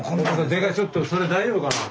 でかいちょっとそれ大丈夫かな。